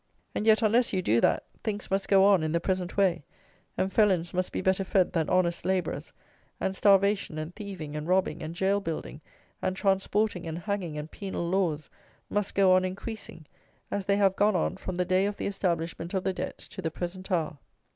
And yet, unless you do that, things must go on in the present way, and felons must be better fed than honest labourers; and starvation and thieving and robbing and gaol building and transporting and hanging and penal laws must go on increasing, as they have gone on from the day of the establishment of the debt to the present hour.